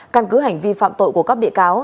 căn cứ hành vi phạm tội của các bị cáo